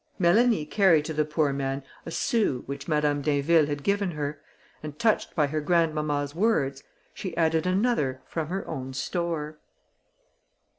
Mélanie carried to the poor man a sou which Madame d'Inville had given her, and, touched by her grandmamma's words, she added another from her own store.